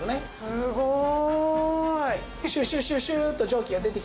すごい！